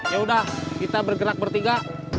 yaudah kita bergerak bertiga